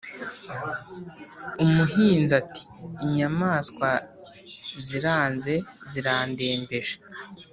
umuhinzi ati: “inyamaswa ziranze zirandembeje!”